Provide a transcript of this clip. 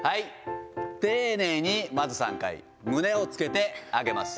丁寧にまず３回、胸をつけて、上げます。